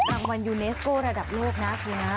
รางวัลยูเนสโก้ระดับโลกนะคุณนะ